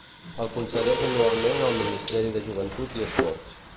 El concedeix anualment el Ministeri de Joventut i Esports.